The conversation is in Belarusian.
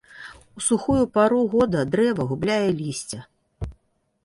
У сухую пару года дрэва губляе лісце.